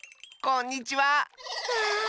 こんにちは！